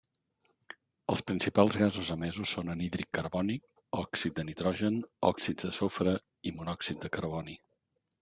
Els principals gasos emesos són anhídrid carbònic, òxids de nitrogen, òxids de sofre i monòxid de carboni.